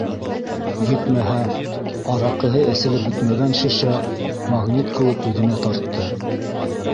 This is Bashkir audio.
Етмәһә, араҡыһы эселеп бөтмәгән шешә магнит кеүек үҙенә тартты.